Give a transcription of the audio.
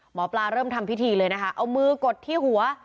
หมอปลาเริ่มทำพิธีเลยนะคะเอามือกดที่หัว